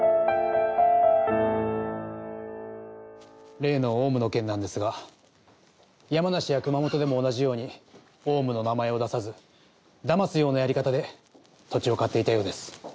例のオウムの件なんですが山梨や熊本でも同じようにオウムの名前を出さずだますようなやり方で土地を買っていたようです。